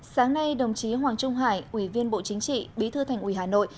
sáng nay đồng chí hoàng trung hải ủy viên bộ chính trị bí thư thành ủy hà nội